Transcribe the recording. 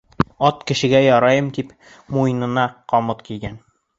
Ат, кешегә ярайым тип, муйынына ҡамыт кейгән.